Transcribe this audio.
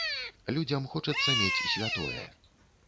Людзям хочацца мець святое.